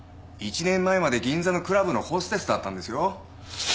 １年前まで銀座のクラブのホステスだったんですよ？